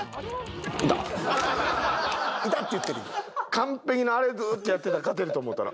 完璧にあれずっとやってたら勝てると思うたら。